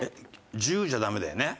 １０じゃダメだよね。